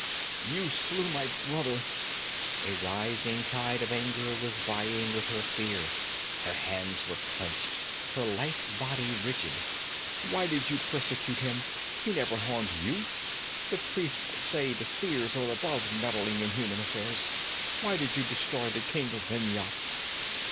'You slew my brother!' A rising tide of anger was vying with her fear; her hands were clenched, her lithe body rigid. 'Why did you persecute him? He never harmed you. The priests say the Seers are above meddling in human affairs. Why did you destroy the king of Vendhya?'